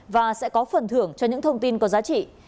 và sẽ có phần thưởng cho những thông tin có giá trị